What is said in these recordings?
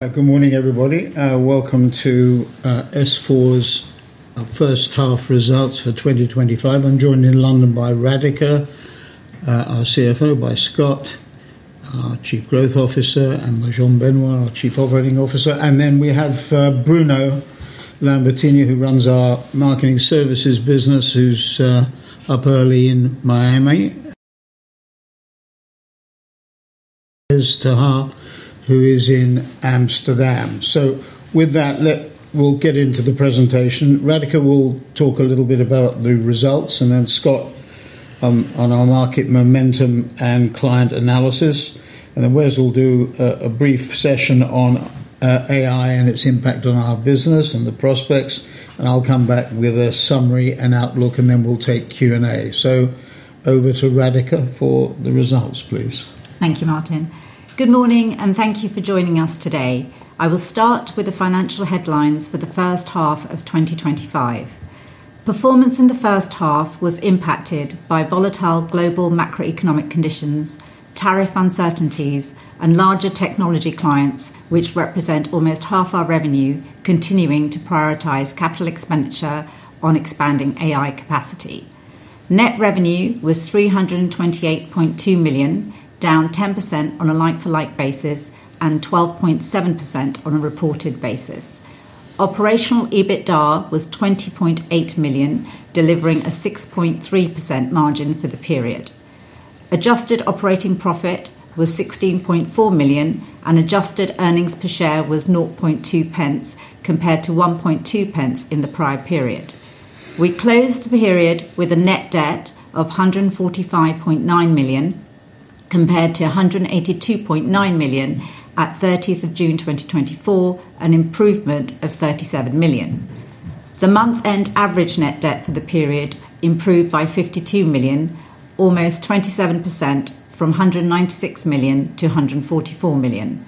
Good morning, everybody. Welcome to S4's First Half Results for 2025. I'm joined in London by Radhika, our CFO, by Scott, our Chief Growth Officer, and by Jean-Benoit Berty, our Chief Operating Officer. We have Bruno Lambertini, who runs our Marketing Services business, who's up early in Miami, and Wesley ter Haar, who is in Amsterdam. With that, we'll get into the presentation. Radhika will talk a little bit about the results, Scott on our market momentum and client analysis, and Wes will do a brief session on AI and its impact on our business and the prospects. I'll come back with a summary and outlook, and then we'll take Q&A. Over to Radhika for the results, please. Thank you, Martin. Good morning, and thank you for joining us today. I will start with the financial headlines for the first half of 2025. Performance in the first half was impacted by volatile global macroeconomic conditions, tariff uncertainties, and larger technology clients, which represent almost half our revenue, continuing to prioritize capital expenditure on expanding AI capacity. Net revenue was 328.2 million, down 10% on a like-for-like basis and 12.7% on a reported basis. Operational EBITDA was 20.8 million, delivering a 6.3% margin for the period. Adjusted operating profit was 16.4 million, and adjusted earnings per share was 0.002 compared to 0.012 in the prior period. We closed the period with a net debt of 145.9 million, compared to 182.9 million at 30th of June 2024, an improvement of 37 million. The month-end average net debt for the period improved by 52 million, almost 27% from 196 million to 144 million.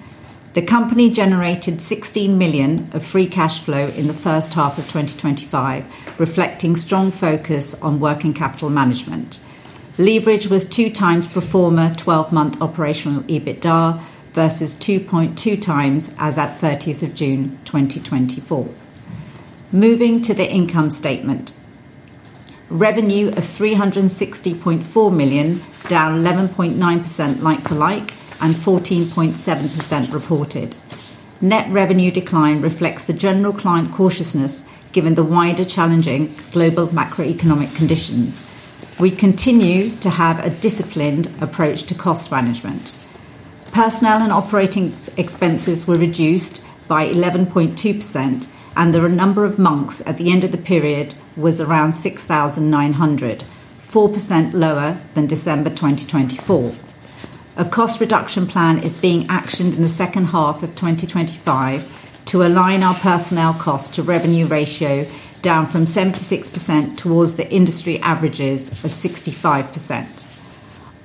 The company generated 16 million of free cash flow in the first half of 2025, reflecting strong focus on working capital management. The leverage was 2x pro forma 12-month operational EBITDA versus 2.2x as at 30th of June 2024. Moving to the income statement, revenue of 360.4 million, down 11.9% like-for-like and 14.7% reported. Net revenue decline reflects the general client cautiousness given the wider challenging global macroeconomic conditions. We continue to have a disciplined approach to cost management. Personnel and operating expenses were reduced by 11.2%, and the number of Monks at the end of the period was around 6,900, 4% lower than December 2024. A cost reduction plan is being actioned in the second half of 2025 to align our personnel cost to revenue ratio, down from 76% towards the industry averages of 65%.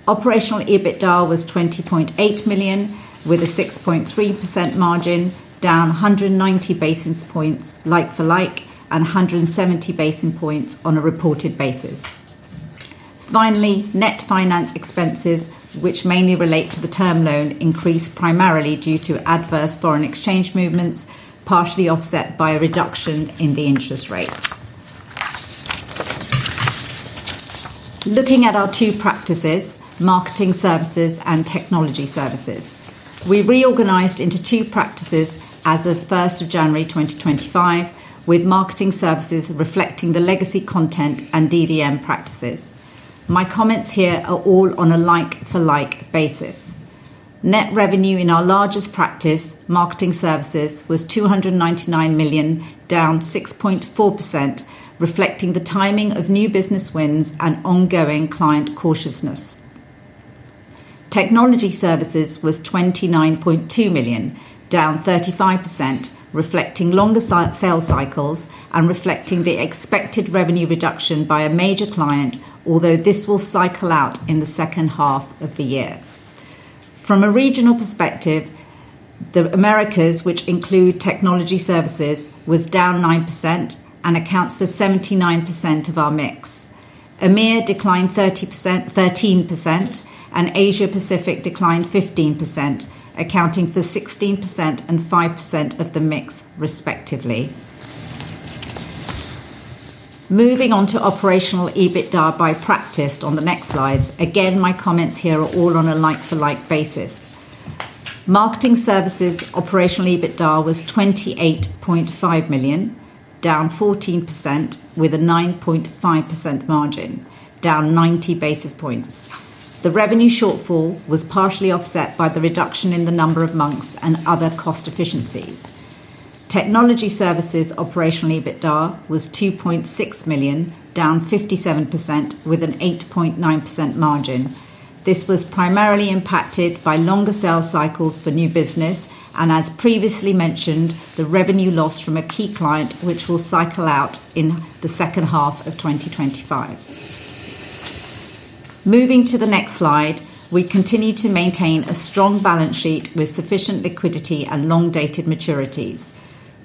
Operational EBITDA was 20.8 million with a 6.3% margin, down 190 basis points like-for-like and 170 basis points on a reported basis. Finally, net finance expenses, which mainly relate to the term loan, increased primarily due to adverse foreign exchange movements, partially offset by a reduction in the interest rate. Looking at our two practices, Marketing Services and Technology Services, we reorganized into two practices as of 1st of January 2025, with Marketing Services reflecting the legacy Content and DDM practices. My comments here are all on a like-for-like basis. Net revenue in our largest practice, Marketing Services, was 299 million, down 6.4%, reflecting the timing of new business wins and ongoing client cautiousness. Technology Services was 29.2 million, down 35%, reflecting longer sales cycles and the expected revenue reduction by a major client, although this will cycle out in the second half of the year. From a regional perspective, the Americas, which include Technology Services, was down 9% and accounts for 79% of our mix. EMEA declined 13% and Asia-Pacific declined 15%, accounting for 16% and 5% of the mix, respectively. Moving on to operational EBITDA by practice on the next slides, again my comments here are all on a like-for-like basis. Marketing Services operational EBITDA was 28.5 million, down 14% with a 9.5% margin, down 90 basis points. The revenue shortfall was partially offset by the reduction in the number of Monks and other cost efficiencies. Technology Services operational EBITDA was 2.6 million, down 57% with an 8.9% margin. This was primarily impacted by longer sales cycles for new business and, as previously mentioned, the revenue loss from a key client, which will cycle out in the second half of 2025. Moving to the next slide, we continue to maintain a strong balance sheet with sufficient liquidity and long-dated maturities.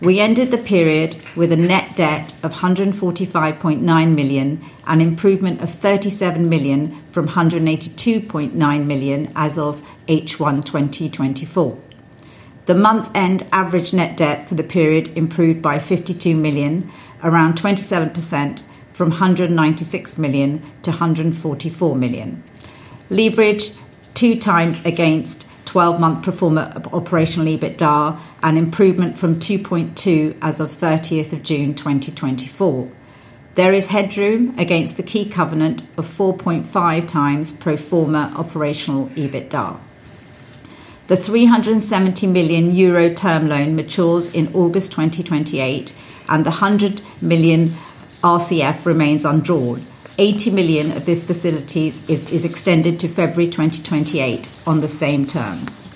We ended the period with a net debt of 145.9 million, an improvement of 37 million from 182.9 million as of H1 2024. The month-end average net debt for the period improved by 52 million, around 27%, from 196 million to 144 million. Leverage 2x against 12-month pro forma operational EBITDA, an improvement from 2.2x as of June 30th, 2024. There is headroom against the key covenant of 4.5x pro forma operational EBITDA. The 370 million euro term loan matures in August 2028, and the 100 million RCF remains undrawn. 80 million of this facility is extended to February 2028 on the same terms.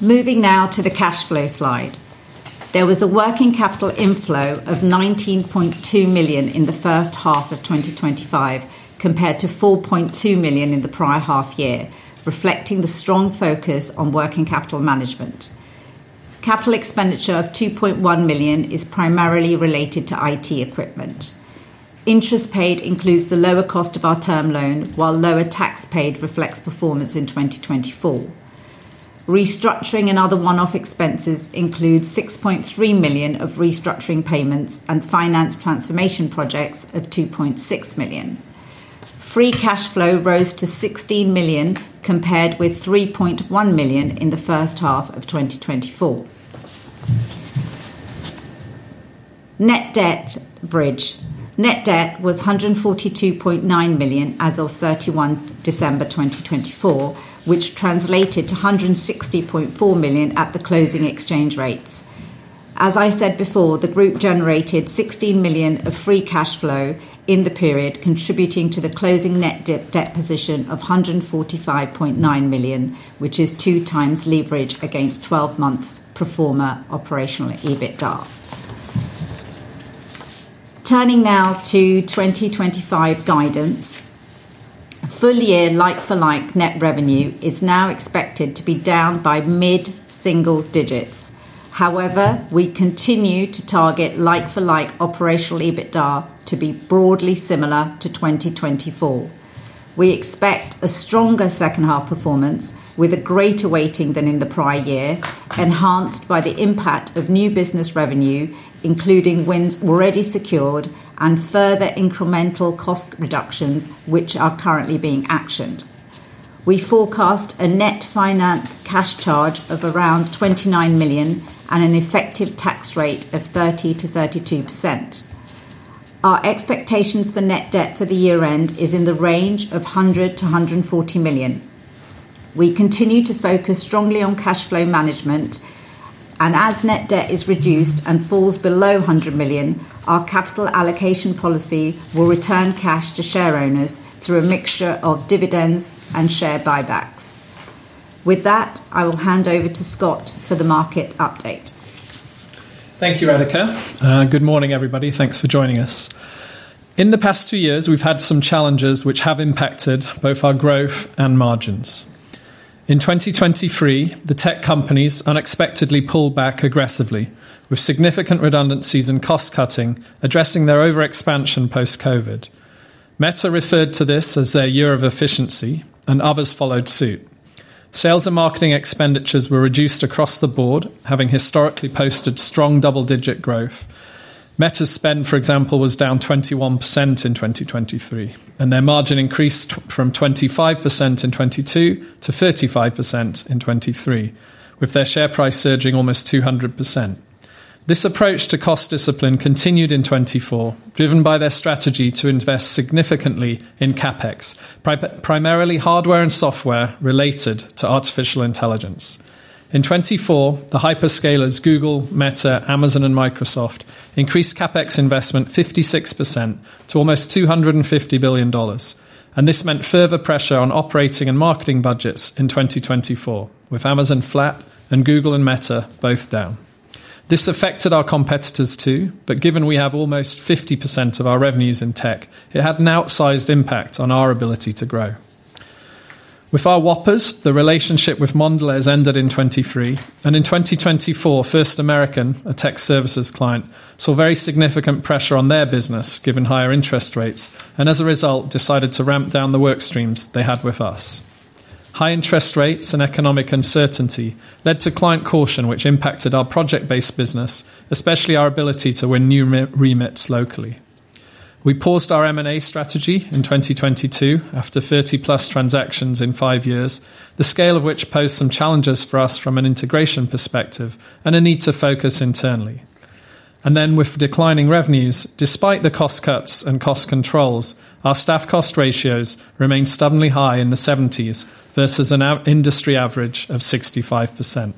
Moving now to the cash flow slide. There was a working capital inflow of 19.2 million in the first half of 2025 compared to 4.2 million in the prior half year, reflecting the strong focus on working capital management. Capital expenditure of 2.1 million is primarily related to IT equipment. Interest paid includes the lower cost of our term loan, while lower tax paid reflects performance in 2024. Restructuring and other one-off expenses include 6.3 million of restructuring payments and finance transformation projects of 2.6 million. Free cash flow rose to 16 million compared with 3.1 million in the first half of 2024. Net debt bridge. Net debt was 142.9 million as of 31 December 2024, which translated to 160.4 million at the closing exchange rates. As I said before, the group generated 16 million of free cash flow in the period, contributing to the closing net debt position of 145.9 million, which is 2x leverage against 12 months pro forma operational EBITDA. Turning now to 2025 guidance. Full year like-for-like net revenue is now expected to be down by mid-single digits. However, we continue to target like-for-like operational EBITDA to be broadly similar to 2024. We expect a stronger second-half performance with a greater weighting than in the prior year, enhanced by the impact of new business revenue, including wins already secured and further incremental cost reductions, which are currently being actioned. We forecast a net finance cash charge of around 29 million and an effective tax rate of 30%-32%. Our expectations for net debt for the year-end is in the range of 100-140 million. We continue to focus strongly on cash flow management, and as net debt is reduced and falls below 100 million, our capital allocation policy will return cash to share owners through a mixture of dividends and share buybacks. With that, I will hand over to Scott for the market update. Thank you, Radhika. Good morning, everybody. Thanks for joining us. In the past two years, we've had some challenges which have impacted both our growth and margins. In 2023, the tech companies unexpectedly pulled back aggressively, with significant redundancies and cost cutting addressing their over-expansion post-COVID. Meta referred to this as their year of efficiency, and others followed suit. Sales and marketing expenditures were reduced across the board, having historically posted strong double-digit growth. Meta's spend, for example, was down 21% in 2023, and their margin increased from 25% in 2022 to 35% in 2023, with their share price surging almost 200%. This approach to cost discipline continued in 2024, driven by their strategy to invest significantly in CapEx, primarily hardware and software related to artificial intelligence. In 2024, the hyperscalers Google, Meta, Amazon, and Microsoft increased CapEx investment 56% to almost $250 billion, and this meant further pressure on operating and marketing budgets in 2024, with Amazon flat and Google and Meta both down. This affected our competitors too, given we have almost 50% of our revenues in tech, it had an outsized impact on our ability to grow. With our Whoppers, the relationship with Mondelez ended in 2023, and in 2024, First American, a tech services client, saw very significant pressure on their business given higher interest rates, and as a result, decided to ramp down the work streams they had with us. High interest rates and economic uncertainty led to client caution, which impacted our project-based business, especially our ability to win new remitts locally. We paused our M&A strategy in 2022 after 30+ transactions in five years, the scale of which posed some challenges for us from an integration perspective and a need to focus internally. With declining revenues, despite the cost cuts and cost controls, our staff cost ratios remained stubbornly high in the 70%s versus an industry average of 65%.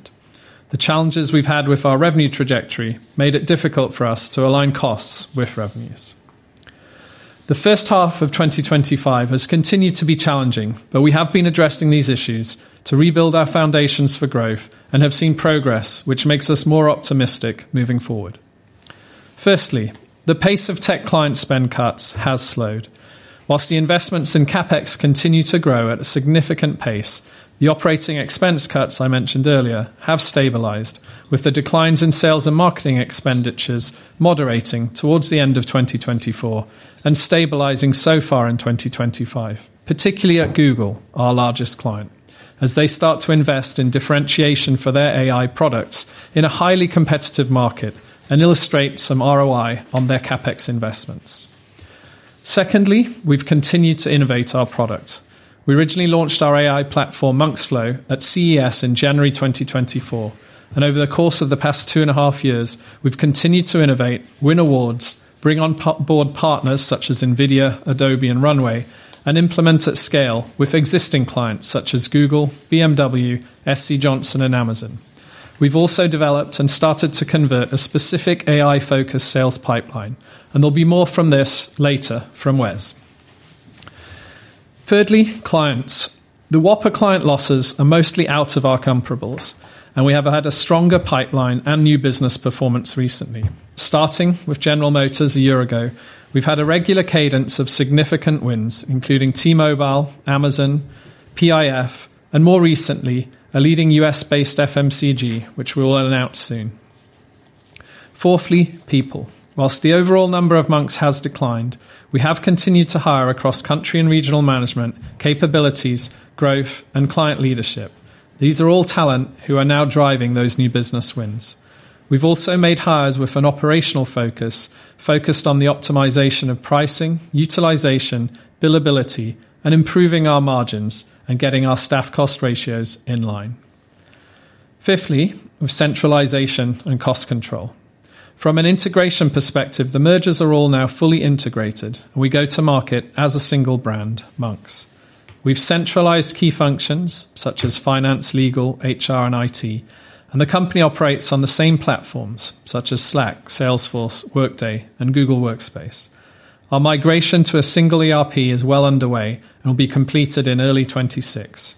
The challenges we've had with our revenue trajectory made it difficult for us to align costs with revenues. The first half of 2025 has continued to be challenging, but we have been addressing these issues to rebuild our foundations for growth and have seen progress, which makes us more optimistic moving forward. Firstly, the pace of tech client spend cuts has slowed. Whilst the investments in CapEx continue to grow at a significant pace, the operating expense cuts I mentioned earlier have stabilized, with the declines in sales and marketing expenditures moderating towards the end of 2024 and stabilizing so far in 2025, particularly at Google, our largest client, as they start to invest in differentiation for their AI products in a highly competitive market and illustrate some ROI on their CapEx investments. Secondly, we've continued to innovate our product. We originally launched our AI platform, Monks.Flow, at CES in January 2024, and over the course of the past two and a half years, we've continued to innovate, win awards, bring on board partners such as NVIDIA, Adobe, and Runway, and implement at scale with existing clients such as Google, BMW, SC Johnson, and Amazon. We've also developed and started to convert a specific AI-focused sales pipeline, and there'll be more from this later from Wes. Thirdly, clients. The Whopper client losses are mostly out of our comparables, and we have had a stronger pipeline and new business performance recently. Starting with General Motors a year ago, we've had a regular cadence of significant wins, including T-Mobile, Amazon, PIF, and more recently, a leading U.S.-based FMCG, which we will announce soon. Fourthly, people. Whilst the overall number of Monks has declined, we have continued to hire across country and regional management, capabilities, growth, and client leadership. These are all talent who are now driving those new business wins. We've also made hires with an operational focus, focused on the optimization of pricing, utilization, billability, and improving our margins and getting our staff cost ratios in line. Fifthly, centralization and cost control. From an integration perspective, the mergers are all now fully integrated, and we go to market as a single brand, Monks. We've centralized key functions such as finance, legal, HR, and IT, and the company operates on the same platforms such as Slack, Salesforce, Workday, and Google Workspace. Our migration to a single ERP is well underway and will be completed in early 2026.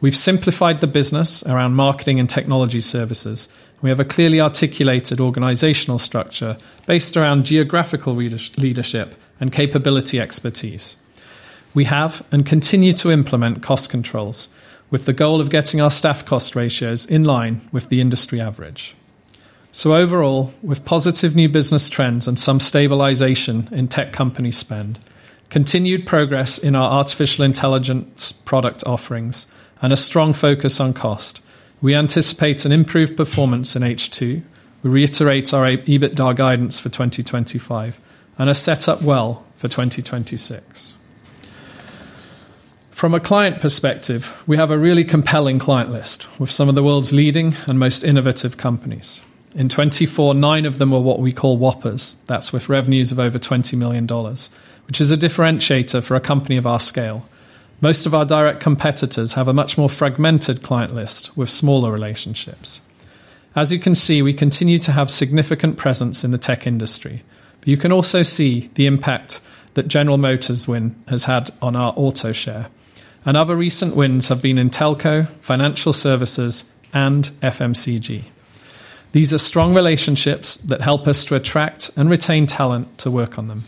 We've simplified the business around Marketing Services and Technology Services, and we have a clearly articulated organizational structure based around geographical leadership and capability expertise. We have and continue to implement cost controls with the goal of getting our staff cost ratios in line with the industry average. Overall, with positive new business trends and some stabilization in tech company spend, continued progress in our artificial intelligence product offerings, and a strong focus on cost, we anticipate an improved performance in H2. We reiterate our EBITDA guidance for 2025 and are set up well for 2026. From a client perspective, we have a really compelling client list with some of the world's leading and most innovative companies. In 2024, nine of them were what we call Whoppers, that's with revenues of over $20 million, which is a differentiator for a company of our scale. Most of our direct competitors have a much more fragmented client list with smaller relationships. As you can see, we continue to have significant presence in the tech industry, but you can also see the impact that the General Motors win has had on our auto share, and other recent wins have been in telco, financial services, and FMCG. These are strong relationships that help us to attract and retain talent to work on them.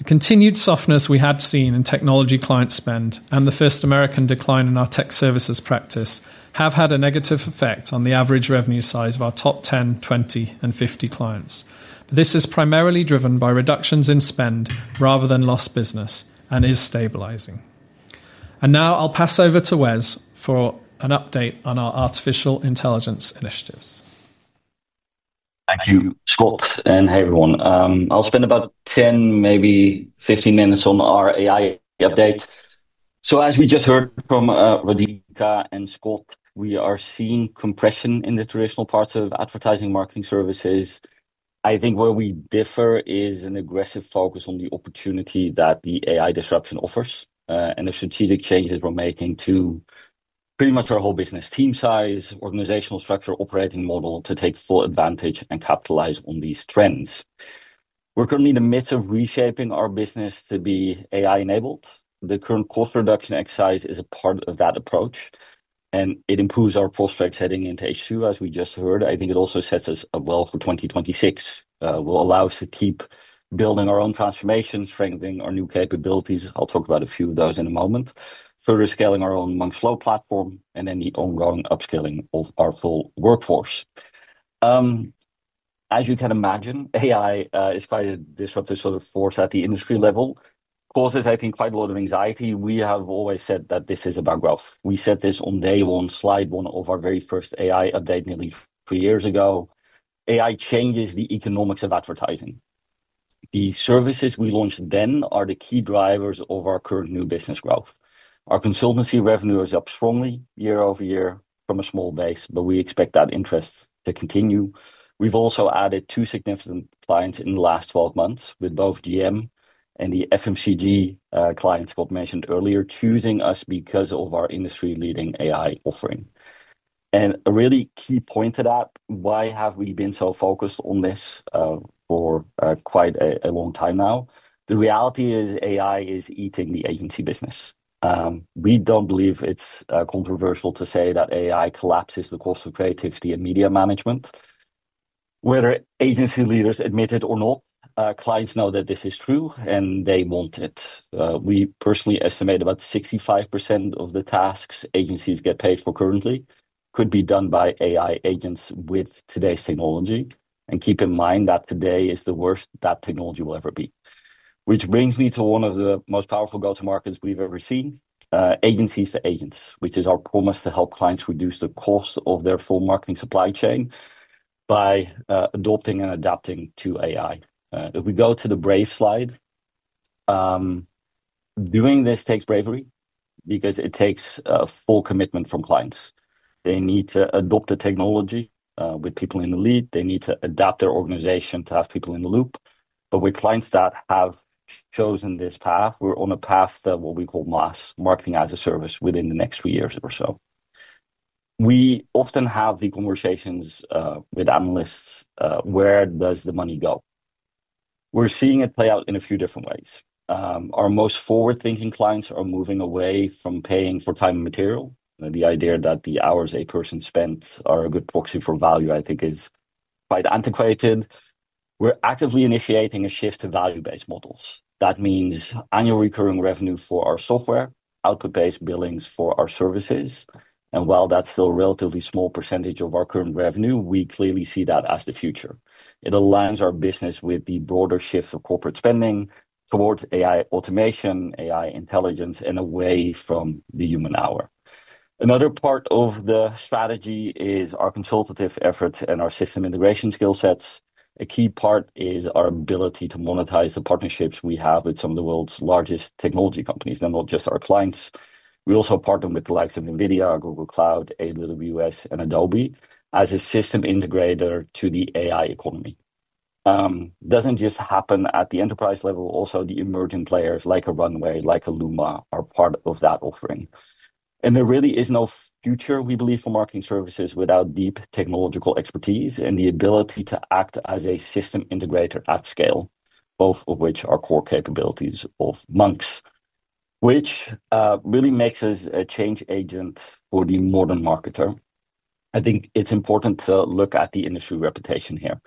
The continued softness we had seen in technology client spend and the First American decline in our Tech Services practice have had a negative effect on the average revenue size of our top 10, 20, and 50 clients. This is primarily driven by reductions in spend rather than lost business and is stabilizing. Now I'll pass over to Wes for an update on our artificial intelligence initiatives. Thank you, Scott, and hey everyone. I'll spend about 10, maybe 15 minutes on our AI update. As we just heard from Radhika and Scott, we are seeing compression in the traditional parts of advertising marketing services. I think where we differ is an aggressive focus on the opportunity that the AI disruption offers and the strategic changes we're making to pretty much our whole business, team size, organizational structure, and operating model to take full advantage and capitalize on these trends. We're currently in the midst of reshaping our business to be AI-enabled. The current cost reduction exercise is a part of that approach, and it improves our cost rate setting into H2, as we just heard. I think it also sets us well for 2026. It will allow us to keep building our own transformations, strengthening our new capabilities. I'll talk about a few of those in a moment, further scaling our own Monks.Flow platform, and then the ongoing upskilling of our full workforce. As you can imagine, AI is quite a disruptive sort of force at the industry level. It causes, I think, quite a lot of anxiety. We have always said that this is about growth. We said this on day one, slide one of our very first AI update nearly three years ago. AI changes the economics of advertising. The services we launched then are the key drivers of our current new business growth. Our consultancy revenue is up strongly year-over-year from a small base, but we expect that interest to continue. We've also added two significant clients in the last 12 months, with both Data & Digital Media and the FMCG clients Bob mentioned earlier, choosing us because of our industry-leading AI offering. A really key point to that, why have we been so focused on this for quite a long time now? The reality is AI is eating the agency business. We don't believe it's controversial to say that AI collapses the cost of creativity and media management. Whether agency leaders admit it or not, clients know that this is true and they want it. We personally estimate about 65% of the tasks agencies get paid for currently could be done by AI agents with today's technology. Keep in mind that today is the worst that technology will ever be. This brings me to one of the most powerful go-to-markets we've ever seen, agencies to agents, which is our promise to help clients reduce the cost of their full marketing supply chain by adopting and adapting to AI. If we go to the brave slide, doing this takes bravery because it takes full commitment from clients. They need to adopt the technology, with people in the lead. They need to adapt their organization to have people in the loop. With clients that have chosen this path, we're on a path to what we call mass marketing as a service within the next three years or so. We often have the conversations with analysts, where does the money go? We're seeing it play out in a few different ways. Our most forward-thinking clients are moving away from paying for time and material. The idea that the hours a person spent are a good proxy for value, I think, is quite antiquated. We're actively initiating a shift to value-based models. That means annual recurring revenue for our software, output-based billings for our services. While that's still a relatively small percentage of our current revenue, we clearly see that as the future. It aligns our business with the broader shifts of corporate spending towards AI automation, AI intelligence, and away from the human hour. Another part of the strategy is our consultative efforts and our system integration skill sets. A key part is our ability to monetize the partnerships we have with some of the world's largest technology companies. They're not just our clients. We also partner with the likes of NVIDIA, Google Cloud, AWS, and Adobe as a system integrator to the AI economy. It doesn't just happen at the enterprise level. Also, the emerging players like a Runway, like a Luma are part of that offering. There really is no future, we believe, for Marketing Services without deep technological expertise and the ability to act as a system integrator at scale, both of which are core capabilities of Monks, which really makes us a change agent for the modern marketer. I think it's important to look at the industry reputation here.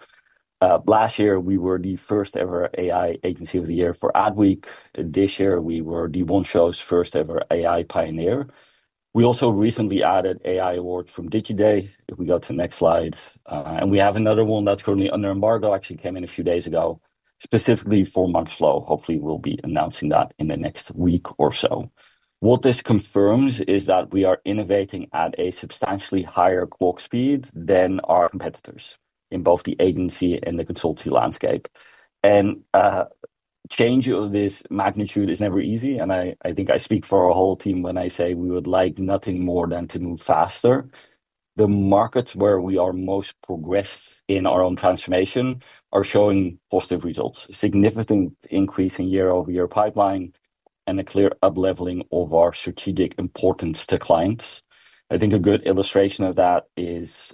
Last year, we were the first-ever AI Agency of the Year for Adweek. This year, we were The One Show's first-ever AI Pioneer. We also recently added AI awards from Digiday. If we go to the next slide, we have another one that's currently under embargo, actually came in a few days ago, specifically for Monks.Flow. Hopefully, we'll be announcing that in the next week or so. What this confirms is that we are innovating at a substantially higher clock speed than our competitors in both the agency and the consultancy landscape. A change of this magnitude is never easy. I think I speak for our whole team when I say we would like nothing more than to move faster. The markets where we are most progressed in our own transformation are showing positive results, a significant increase in year-over-year pipeline, and a clear up-leveling of our strategic importance to clients. I think a good illustration of that is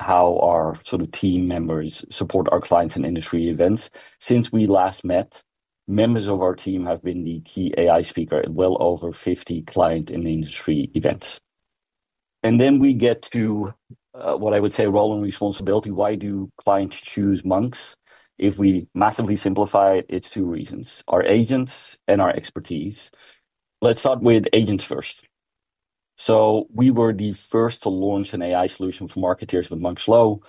how our sort of team members support our clients in industry events. Since we last met, members of our team have been the key AI speaker at well over 50 client and industry events. We get to what I would say is role and responsibility. Why do clients choose Monks? If we massively simplify it, it's two reasons: our agents and our expertise. Let's start with agents first. We were the first to launch an AI solution for marketers with Monks.Flow.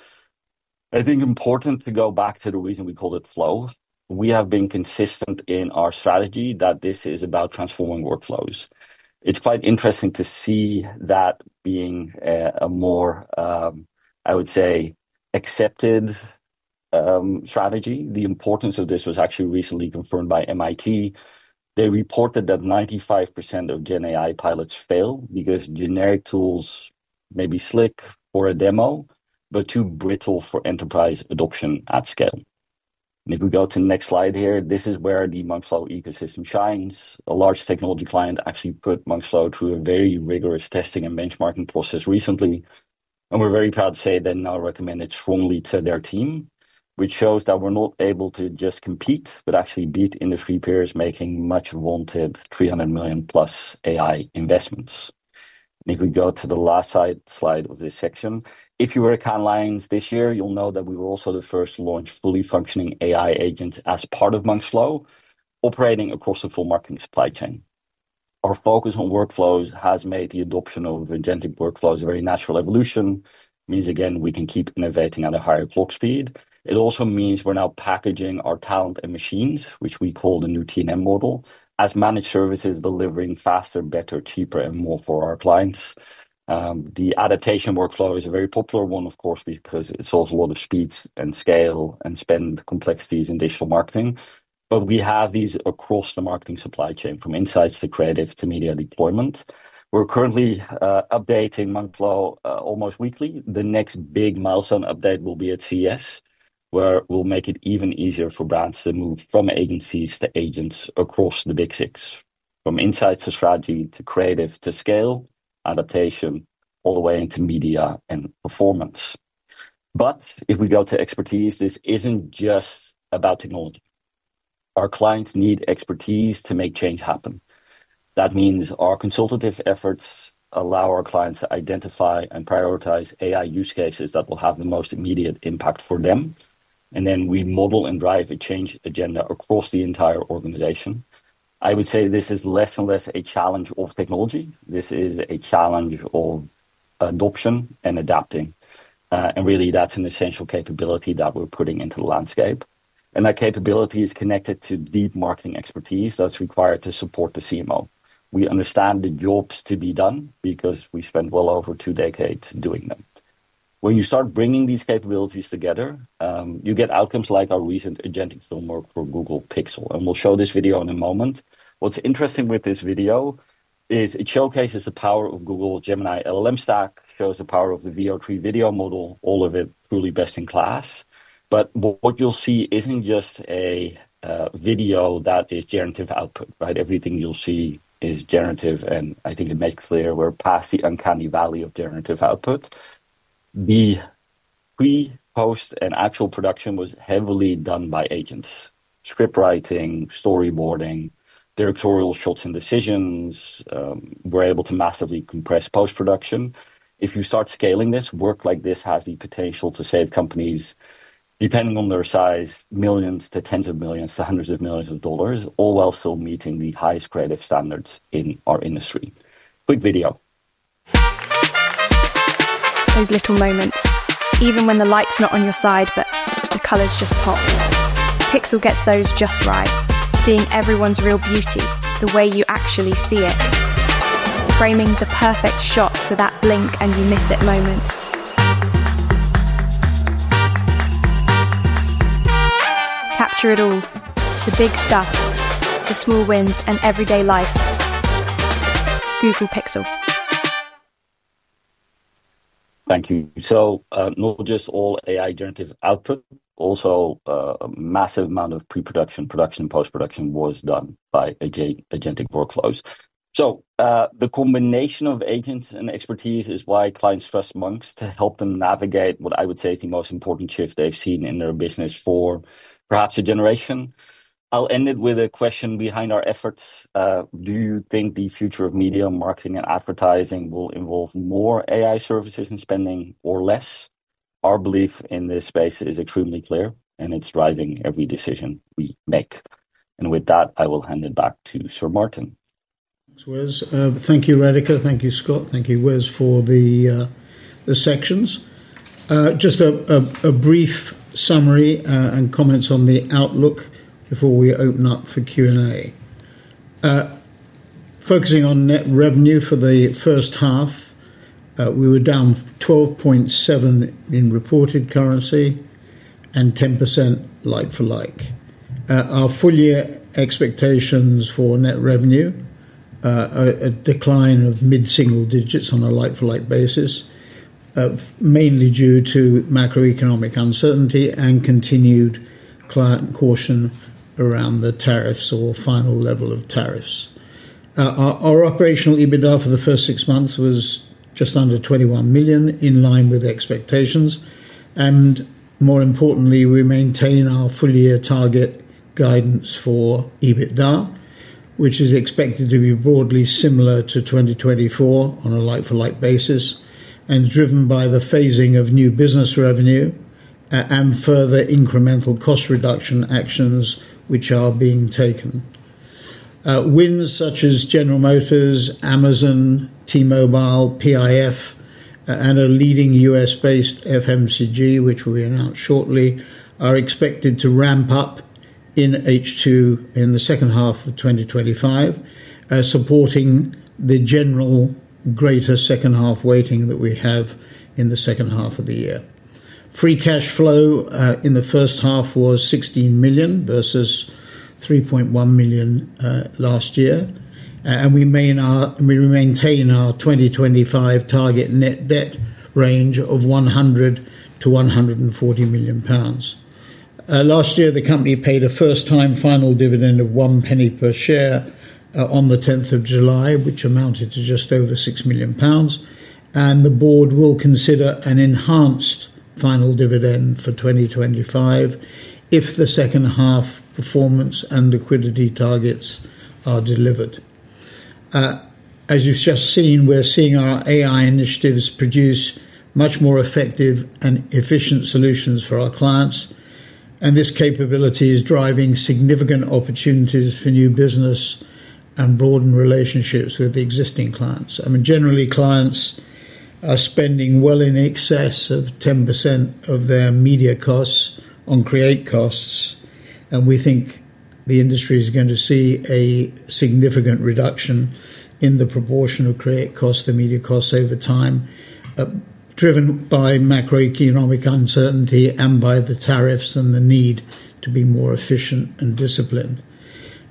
I think it's important to go back to the reason we called it Flow. We have been consistent in our strategy that this is about transforming workflows. It's quite interesting to see that being a more, I would say, accepted strategy. The importance of this was actually recently confirmed by MIT. They reported that 95% of GenAI pilots fail because generic tools may be slick for a demo, but too brittle for enterprise adoption at scale. If we go to the next slide here, this is where the Monks.Flow ecosystem shines. A large technology client actually put Monks.Flow through a very rigorous testing and benchmarking process recently. We're very proud to say they now recommend it strongly to their team, which shows that we're not able to just compete, but actually beat industry peers making much-awaited 300+ million AI investments. If we go to the last slide of this section, if you were a client of ours this year, you'll know that we were also the first to launch fully functioning AI agents as part of Monks.Flow, operating across the full marketing supply chain. Our focus on workflows has made the adoption of agentic workflows a very natural evolution. It means we can keep innovating at a higher clock speed. It also means we're now packaging our talent and machines, which we call the new T&M model, as managed services delivering faster, better, cheaper, and more for our clients. The adaptation workflow is a very popular one, of course, because it's also a lot of speed and scale and spend complexities in digital marketing. We have these across the marketing supply chain, from insights to creative to media deployment. We're currently updating Monks.Flow almost weekly. The next big milestone update will be at CES, where we'll make it even easier for brands to move from agencies to agents across the big six, from insights to strategy to creative to scale adaptation, all the way into media and performance. If we go to expertise, this isn't just about technology. Our clients need expertise to make change happen. That means our consultative efforts allow our clients to identify and prioritize AI use cases that will have the most immediate impact for them. Then we model and drive a change agenda across the entire organization. I would say this is less and less a challenge of technology. This is a challenge of adoption and adapting. That's an essential capability that we're putting into the landscape. That capability is connected to deep marketing expertise that's required to support the CMO. We understand the jobs to be done because we spent well over two decades doing them. When you start bringing these capabilities together, you get outcomes like our recent agentic film work for Google Pixel. We'll show this video in a moment. What's interesting with this video is it showcases the power of Google Gemini LLM stack, shows the power of the VO3 video model, all of it truly best in class. What you'll see isn't just a video that is generative output, right? Everything you'll see is generative. I think it makes clear we're past the uncanny valley of generative output. The pre, post, and actual production was heavily done by agents. Script writing, storyboarding, directorial shots and decisions, we're able to massively compress post-production. If you start scaling this, work like this has the potential to save companies, depending on their size, millions to tens of millions to hundreds of millions of dollars, all while still meeting the highest creative standards in our industry. Quick video. Those little moments, even when the light's not on your side, but the colors just pop. Pixel gets those just right, seeing everyone's real beauty the way you actually see it, framing the perfect shot for that blink and you miss it moment. Capture it all, the big stuff, the small wins, and everyday life. Google Pixel. Thank you. Not just all AI generative output, also, a massive amount of pre-production, production, and post-production was done by agentic workflows. The combination of agents and expertise is why clients trust Monks to help them navigate what I would say is the most important shift they've seen in their business for perhaps a generation. I'll end it with a question behind our efforts. Do you think the future of media, marketing, and advertising will involve more AI services and spending or less? Our belief in this space is extremely clear, and it's driving every decision we make. With that, I will hand it back to Sir Martin. Thank you, Radhika. Thank you, Scott. Thank you, Wes, for the sections. Just a brief summary and comments on the outlook before we open up for Q&A. Focusing on net revenue for the first half, we were down 12.7% in reported currency and 10% like-for-like. Our full-year expectations for net revenue are a decline of mid-single digits on a like-for-like basis, mainly due to macro-economic uncertainty and continued client caution around the tariffs or final level of tariffs. Our operational EBITDA for the first six months was just under 21 million, in line with expectations. More importantly, we maintain our full-year target guidance for EBITDA, which is expected to be broadly similar to 2024 on a like-for-like basis and is driven by the phasing of new business revenue and further incremental cost reduction actions which are being taken. Wins such as General Motors, Amazon, T-Mobile, PIF, and a leading U.S.-based FMCG, which will be announced shortly, are expected to ramp up in H2 in the second half of 2025, supporting the general greater second half weighting that we have in the second half of the year. Free cash flow in the first half was 16 million versus 3.1 million last year. We maintain our 2025 target net debt range of 100 million to EUR 140 million. Last year, the company paid a first-time final dividend of 0.01 per share on the 10th of July, which amounted to just over EUR 6 million. The board will consider an enhanced final dividend for 2025 if the second half performance and liquidity targets are delivered. As you've just seen, we're seeing our AI initiatives produce much more effective and efficient solutions for our clients. This capability is driving significant opportunities for new business and broadened relationships with existing clients. Generally, clients are spending well in excess of 10% of their media costs on creative costs. We think the industry is going to see a significant reduction in the proportion of creative costs to media costs over time, driven by macro-economic uncertainty and by the tariffs and the need to be more efficient and disciplined.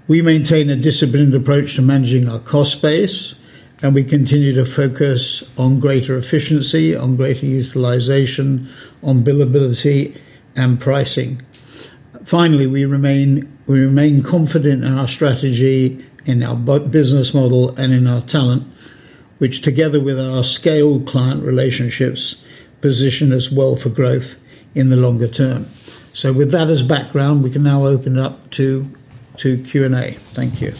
We maintain a disciplined approach to managing our cost base, and we continue to focus on greater efficiency, on greater utilization, on billability, and pricing. Finally, we remain confident in our strategy, in our business model, and in our talent, which together with our scaled client relationships position us well for growth in the longer term. With that as background, we can now open it up to Q&A. Thank you.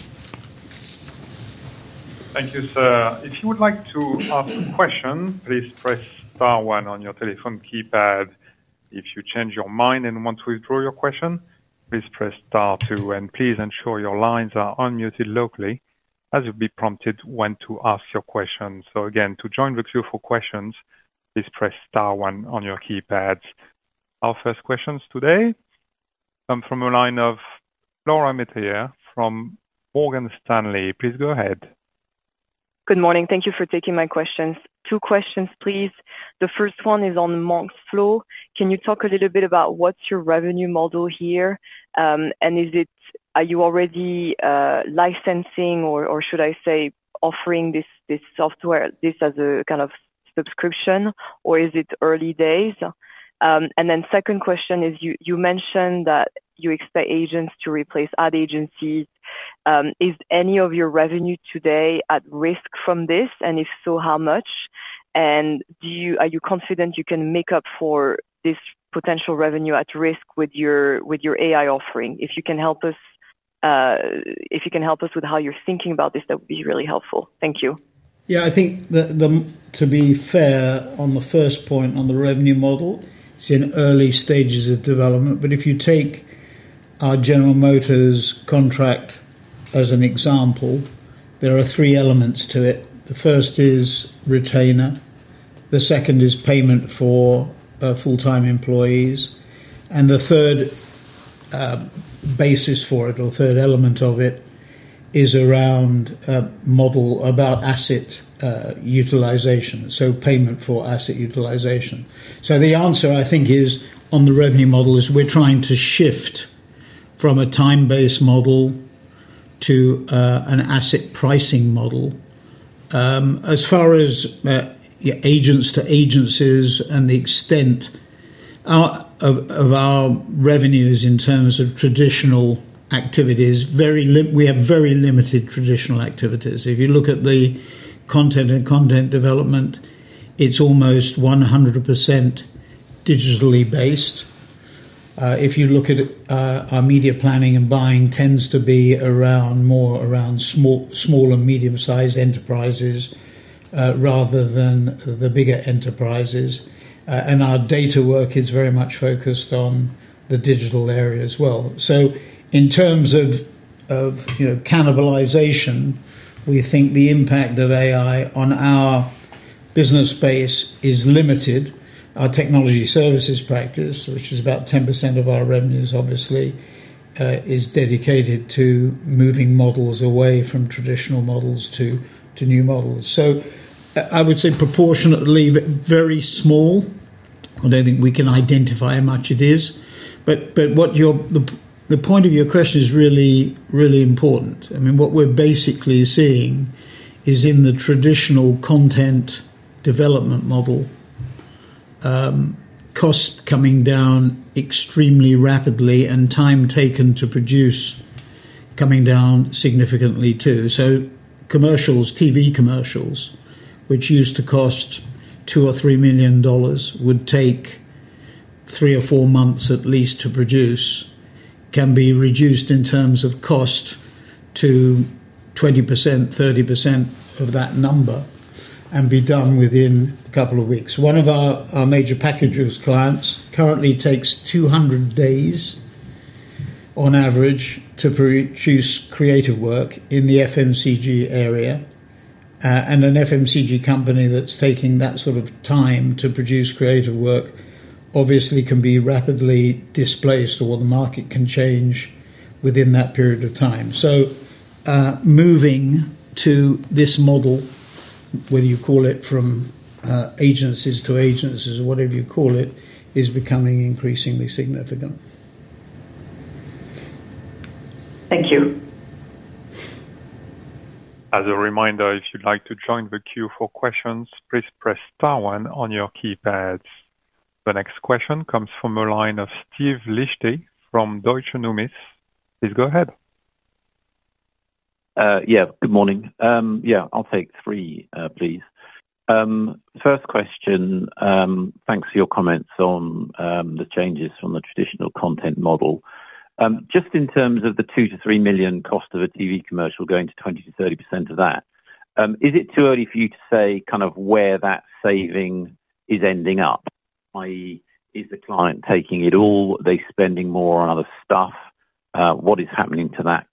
Thank you, sir. If you would like to ask a question, please press star one on your telephone keypad. If you change your mind and want to withdraw your question, please press star two, and please ensure your lines are unmuted locally as you'll be prompted when to ask your question. Again, to join the queue for questions, please press star one on your keypad. Our first questions today come from a line of Laura Metayer from Morgan Stanley. Please go ahead. Good morning. Thank you for taking my questions. Two questions, please. The first one is on Monks.Flow. Can you talk a little bit about what's your revenue model here? Is it, are you already licensing or, or should I say offering this, this software, this as a kind of subscription, or is it early days? The second question is you mentioned that you expect agents to replace ad agencies. Is any of your revenue today at risk from this? If so, how much? Are you confident you can make up for this potential revenue at risk with your AI offering? If you can help us with how you're thinking about this, that would be really helpful. Thank you. I think, to be fair on the first point on the revenue model, it's in early stages of development. If you take our General Motors contract as an example, there are three elements to it. The first is retainer. The second is payment for full-time employees. The third element of it is around a model about asset utilization, so payment for asset utilization. The answer, I think, is on the revenue model we're trying to shift from a time-based model to an asset pricing model. As far as your agents to agencies and the extent of our revenues in terms of traditional activities, we have very limited traditional activities. If you look at the content and content development, it's almost 100% digitally based. If you look at our media planning and buying, it tends to be more around small and medium-sized enterprises rather than the bigger enterprises. Our data work is very much focused on the digital area as well. In terms of cannibalization, we think the impact of AI on our business base is limited. Our Technology Services practice, which is about 10% of our revenues, obviously is dedicated to moving models away from traditional models to new models. I would say proportionately very small. I don't think we can identify how much it is, but the point of your question is really important. What we're basically seeing is in the traditional content development model, costs coming down extremely rapidly and time taken to produce coming down significantly too. TV commercials, which used to cost $2 million or $3 million and would take three or four months at least to produce, can be reduced in terms of cost to 20% or 30% of that number and be done within a couple of weeks. One of our major packages clients currently takes 200 days on average to produce creative work in the FMCG area. An FMCG company that's taking that sort of time to produce creative work obviously can be rapidly displaced or the market can change within that period of time. Moving to this model, whether you call it from agencies to agencies or whatever you call it, is becoming increasingly significant. Thank you. As a reminder, if you'd like to join the queue for questions, please press star one on your keypads. The next question comes from a line of Steve Lichte from Deutsche Numis. Please go ahead. Good morning. I'll take three, please. First question, thanks for your comments on the changes from the traditional content model. Just in terms of the $2 million to $3 million cost of a TV commercial going to 20% to 30% of that, is it too early for you to say where that saving is ending up? I.e., is the client taking it all? Are they spending more on other stuff? What is happening to that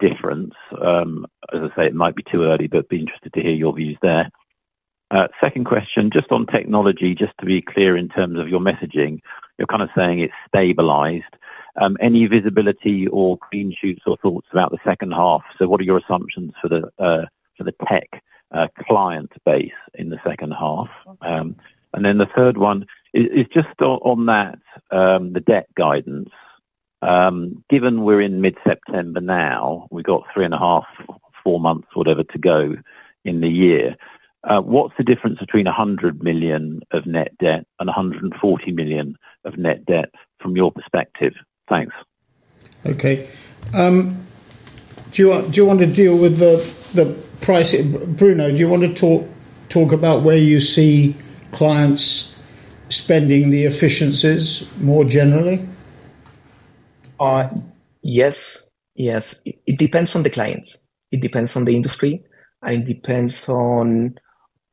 difference? It might be too early, but I'd be interested to hear your views there. Second question, just on technology, to be clear in terms of your messaging, you're saying it's stabilized. Any visibility or green shoots or thoughts about the second half? What are your assumptions for the tech client base in the second half? The third one is on the debt guidance. Given we're in mid-September now, we've got three and a half, four months to go in the year. What's the difference between 100 million of net debt and 140 million of net debt from your perspective? Thanks. Okay. Do you want to deal with the pricing? Bruno, do you want to talk about where you see clients spending the efficiencies more generally? Yes, yes. It depends on the clients, it depends on the industry, and it depends on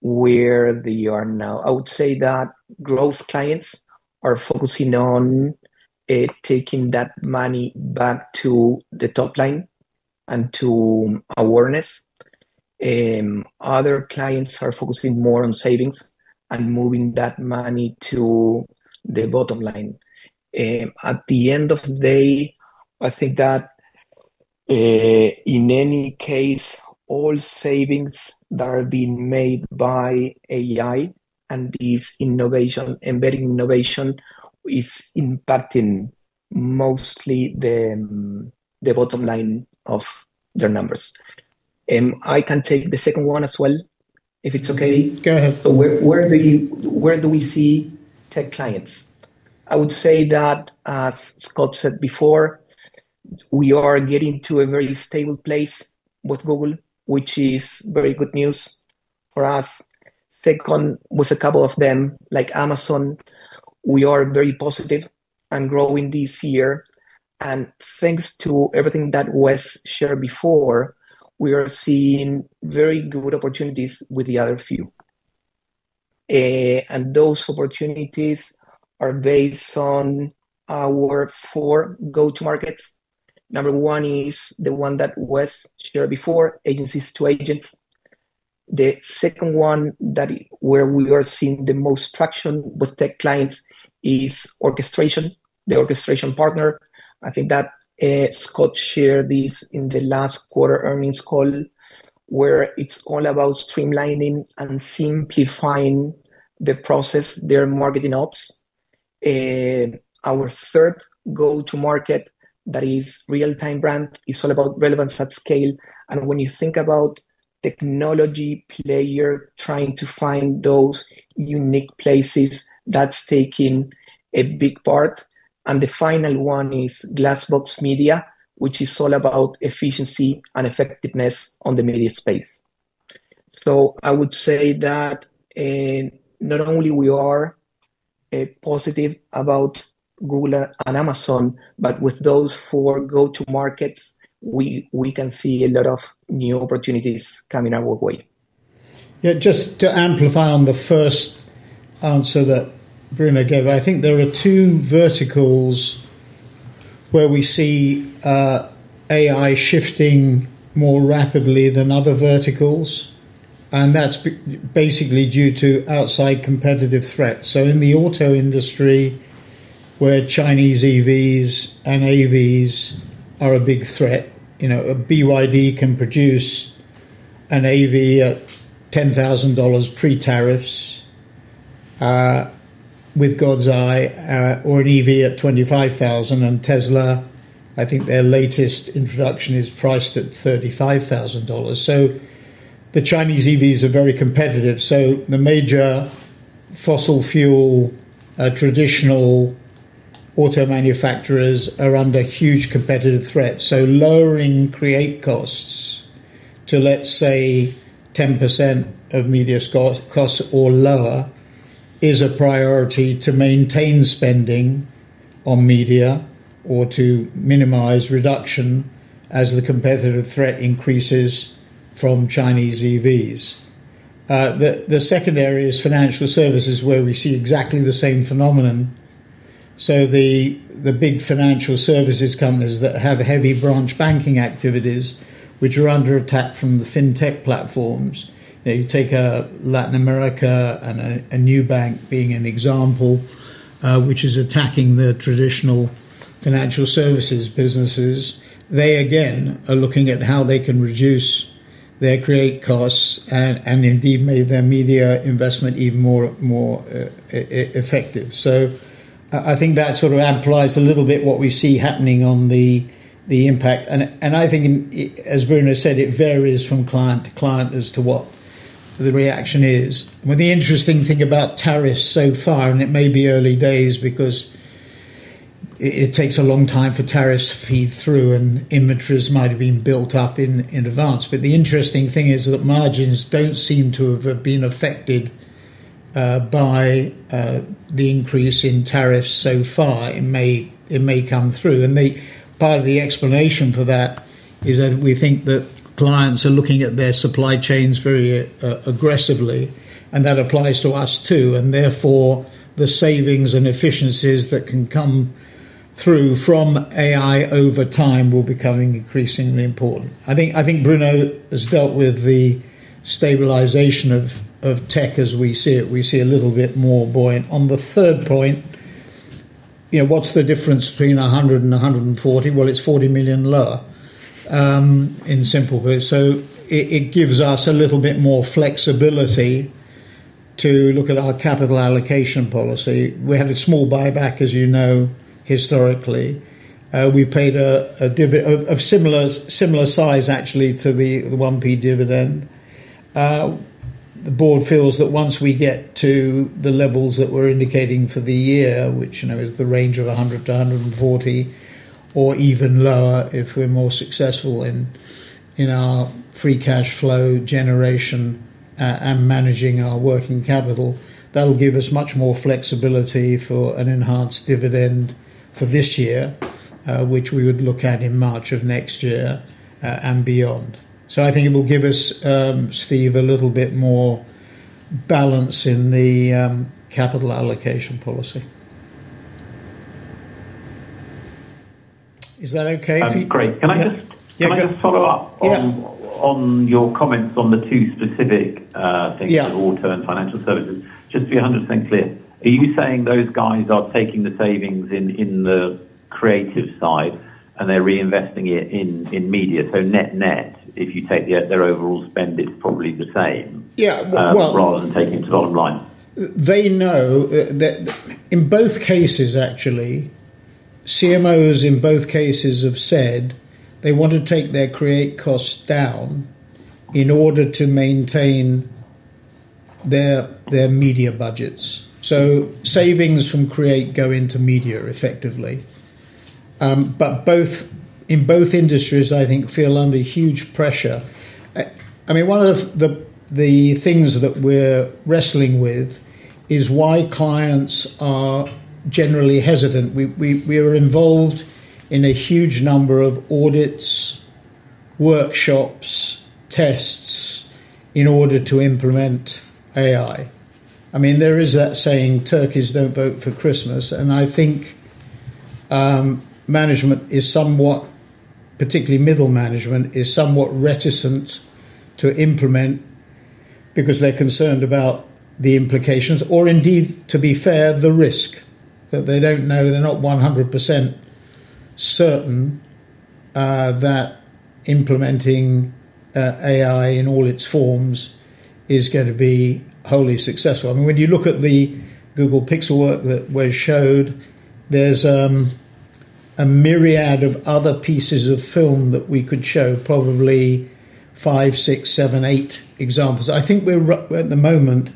where they are now. I would say that growth clients are focusing on taking that money back to the top line and to awareness. Other clients are focusing more on savings and moving that money to the bottom line. At the end of the day, I think that in any case, all savings that are being made by AI and these innovations, embedding innovation, is impacting mostly the bottom line of their numbers. I can take the second one as well, if it's okay. Go ahead. Where do we see tech clients? I would say that, as Scott said before, we are getting to a very stable place with Google, which is very good news for us. With a couple of them, like Amazon, we are very positive and growing this year. Thanks to everything that Wes shared before, we are seeing very good opportunities with the other few. Those opportunities are based on our four go-to-markets. Number one is the one that Wes shared before, agencies to agents. The second one where we are seeing the most traction with tech clients is orchestration, the orchestration partner. I think that Scott shared this in the last quarter earnings call, where it's all about streamlining and simplifying the process, their marketing ops. Our third go-to-market that is real-time brand is all about relevance at scale. When you think about technology players trying to find those unique places, that's taking a big part. The final one is glassbox media, which is all about efficiency and effectiveness on the media space. I would say that not only are we positive about Google and Amazon, but with those four go-to-markets, we can see a lot of new opportunities coming our way. Yeah, just to amplify on the first answer that Bruno gave, I think there are two verticals where we see AI shifting more rapidly than other verticals, and that's basically due to outside competitive threats. In the auto industry, where Chinese EVs and AVs are a big threat, a BYD can produce an AV at $10,000 pre-tariffs, with God's eye, or an EV at $25,000. Tesla, I think their latest introduction is priced at $35,000. The Chinese EVs are very competitive. The major fossil fuel traditional auto manufacturers are under huge competitive threats. Lowering creative costs to, let's say, 10% of media costs or lower is a priority to maintain spending on media or to minimize reduction as the competitive threat increases from Chinese EVs. The second area is financial services, where we see exactly the same phenomenon. The big financial services companies that have heavy branch banking activities, which are under attack from the fintech platforms. You take a Latin America and a Nubank being an example, which is attacking the traditional financial services businesses. They again are looking at how they can reduce their creative costs and indeed make their media investment even more effective. I think that sort of amplifies a little bit what we see happening on the impact. As Bruno said, it varies from client to client as to what the reaction is. The interesting thing about tariffs so far, and it may be early days because it takes a long time for tariffs to feed through, and images might have been built up in advance. The interesting thing is that margins don't seem to have been affected by the increase in tariffs so far. It may come through. Part of the explanation for that is that we think that clients are looking at their supply chains very aggressively, and that applies to us too. Therefore, the savings and efficiencies that can come through from AI over time will become increasingly important. I think Bruno has dealt with the stabilization of tech as we see it. We see a little bit more buoyant. On the third point, what's the difference between 100 and 140? It's 40 million lower in simple words. It gives us a little bit more flexibility to look at our capital allocation policy. We had a small buyback, as you know, historically. We paid a similar size, actually, to the 1P dividend. The board feels that once we get to the levels that we're indicating for the year, which is the range of 100 million to 40 million, or even lower if we're more successful in our free cash flow generation and managing our working capital, that'll give us much more flexibility for an enhanced dividend for this year, which we would look at in March of next year and beyond. I think it will give us, Steve, a little bit more balance in the capital allocation policy. Is that okay? That's great. Can I just follow up on your comments on the two specific things, the auto and financial services? Just to be 100% clear, are you saying those guys are taking the savings in the creative side and they're reinvesting it in media? Net net, if you take their overall spend, it's probably the same, yeah, rather than taking it to the bottom line. They know that in both cases, actually, CMOs in both cases have said they want to take their creative costs down in order to maintain their media budgets. Savings from creative go into media effectively. In both industries, I think, feel under huge pressure. One of the things that we're wrestling with is why clients are generally hesitant. We are involved in a huge number of audits, workshops, tests in order to implement AI. There is that saying, "Turkeys don't vote for Christmas." I think management is somewhat, particularly middle management, is somewhat reticent to implement because they're concerned about the implications, or indeed, to be fair, the risk that they don't know. They're not 100% certain that implementing AI in all its forms is going to be wholly successful. When you look at the Google Pixel work that Wes showed, there's a myriad of other pieces of film that we could show, probably five, six, seven, eight examples. I think we're at the moment,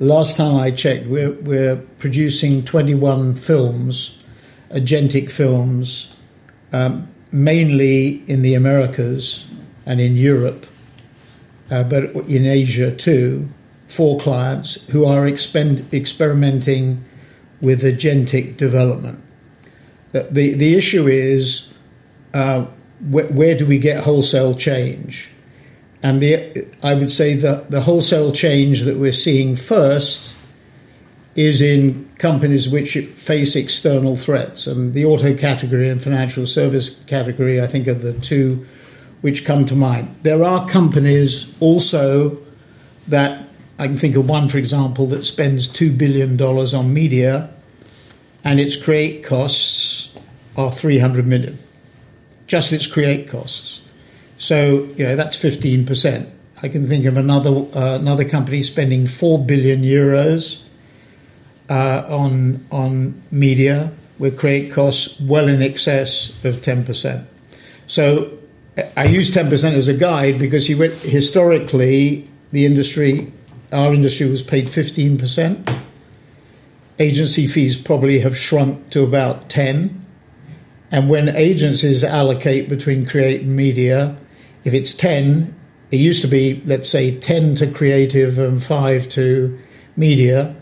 last time I checked, we're producing 21 films, agentic films, mainly in the Americas and in Europe, but in Asia too, for clients who are experimenting with agentic development. The issue is, where do we get wholesale change? I would say that the wholesale change that we're seeing first is in companies which face external threats. The auto category and financial service category, I think, are the two which come to mind. There are companies also that I can think of one, for example, that spends EUR 2 billion on media, and its creative costs are 300 million, just its creative costs. That's 15%. I can think of another company spending 4 billion euros on media with creative costs well in excess of 10%. I use 10% as a guide because historically, our industry was paid 15%. Agency fees probably have shrunk to about 10%. When agencies allocate between creative and media, if it's 10%, it used to be, let's say, 10% to creative and 5% to media.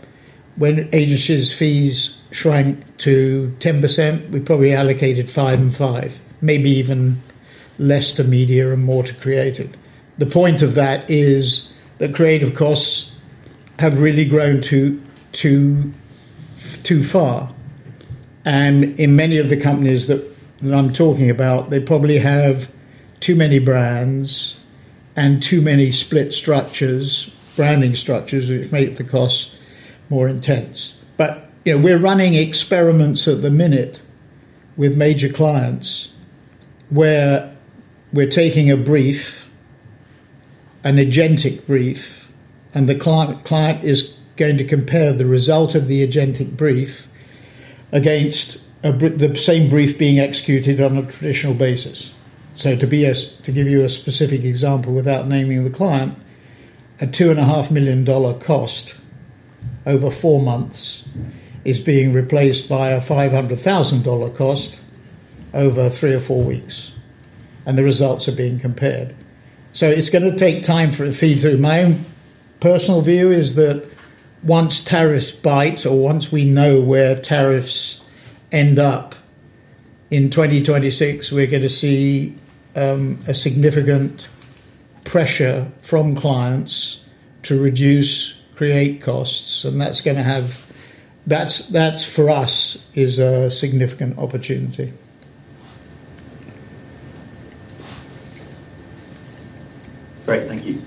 When agencies' fees shrank to 10%, we probably allocated 5% and 5%, maybe even less to media and more to creative. The point of that is that creative costs have really grown too far. In many of the companies that I'm talking about, they probably have too many brands and too many split structures, branding structures which make the costs more intense. We're running experiments at the minute with major clients where we're taking a brief, an agentic brief, and the client is going to compare the result of the agentic brief against the same brief being executed on a traditional basis. To give you a specific example, without naming the client, a EUR 2.5 million cost over four months is being replaced by a $500,000 cost over three or four weeks, and the results are being compared. It's going to take time for it to feed through. My own personal view is that once tariffs bite, or once we know where tariffs end up in 2026, we're going to see significant pressure from clients to reduce creative costs. That's going to have, that's for us, a significant opportunity. Great, thank you.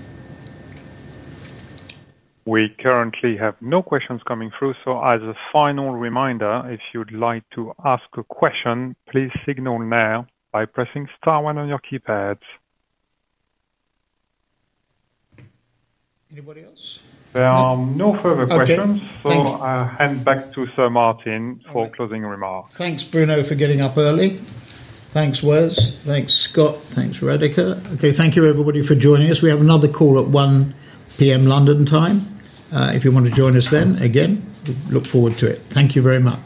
We currently have no questions coming through. As a final reminder, if you'd like to ask a question, please signal now by pressing star one on your keypads. Anybody else? There are no further questions, so I'll hand back to Sir Martin for closing remarks. Thanks, Bruno, for getting up early. Thanks, Wes. Thanks, Scott. Thanks, Radhika. Thank you, everybody, for joining us. We have another call at 1:00 P.M. London time. If you want to join us then, again, look forward to it. Thank you very much.